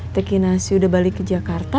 tekinasi udah balik ke jakarta